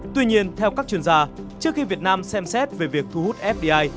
tuy nhiên theo các chuyên gia trước khi việt nam xem xét về việc thu hút fdi